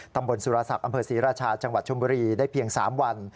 ตำบลสุรศักดิ์อำเภอศรีราชาจังหวัดชมบุรีได้เพียง๓วัน